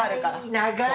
長い。